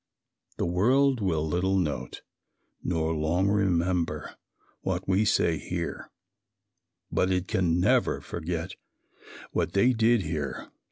The world will little note, nor long remember, what we say here but it can never forget what they did here.